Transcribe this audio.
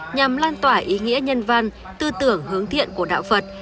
nhằm lan tỏa ý nghĩa nhân văn tư tưởng hướng thiện của đạo phật